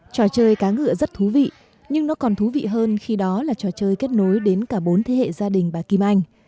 trò chơi cá ngựa rất thú vị nhưng nó còn thú vị hơn khi đó là trò chơi kết nối đến cả bốn thế hệ gia đình bà kim anh